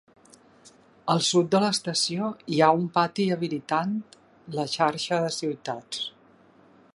Al sud de l'estació hi ha un pati habilitant la xarxa de ciutats.